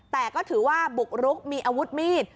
แต่ก็ถือว่าบุกรุกมีอาวุธมีด